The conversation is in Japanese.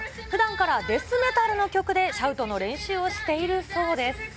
ふだんからデスメタルの曲でシャウトの練習をしているそうです。